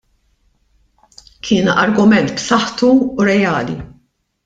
Kien argument b'saħħtu u reali.